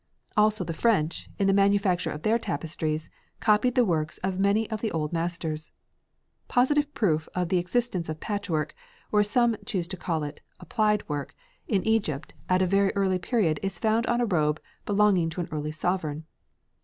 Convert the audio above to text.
Also the French, in the manufacture of their tapestries, copied the works of many of the old masters. Positive proof of the existence of patchwork, or as some choose to call it, "applied work," in Egypt at a very early period is found on a robe belonging to an early sovereign.